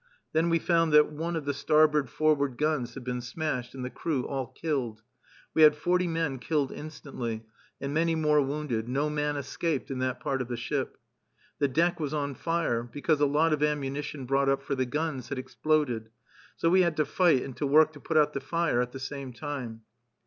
Then we found that one of the starboard forward guns had been smashed, and the crew all killed. We had forty men killed instantly, and many more wounded: no man escaped in that part of the ship. The deck was on fire, because a lot of ammunition brought up for the guns had exploded; so we had to fight and to work to put out the fire at the same time.